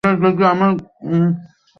আমার আইস্ক্রিম নিলি ক্যা।